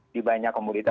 di banyak komoditas